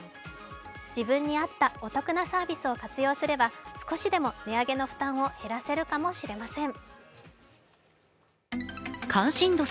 自分に合ったお得なサービスを活用すれば少しでも値上げの負担を減らせるかもしれません。